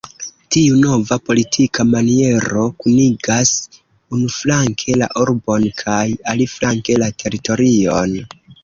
Tiu nova politika maniero, kunigas unuflanke la urbon kaj aliflanke la teritorion.